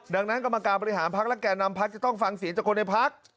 ดังนั้นกรรมการบริหารพักและแก่นำพักจะต้องฟังเสียงจากคนในพัก